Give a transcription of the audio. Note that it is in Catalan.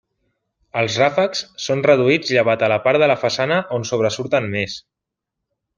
Els ràfecs són reduïts llevat a la part de la façana on sobresurten més.